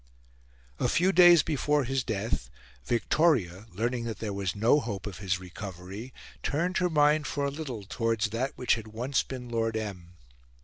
A few days before his death, Victoria, learning that there was no hope of his recovery, turned her mind for a little towards that which had once been Lord M.